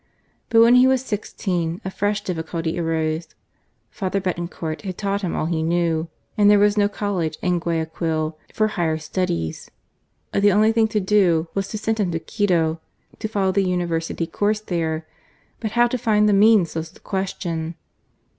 But when he was sixteen a fresh difficulty arose. P. Betancourt had taught him all he knew, and there was no college in Guaya quil for higher studies. The only thing to be done was to send him to Quito, to follow the University course there ; but how to find the means was the question.